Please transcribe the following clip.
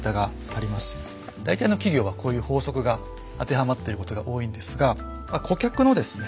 大体の企業はこういう法則が当てはまってることが多いんですが顧客のですね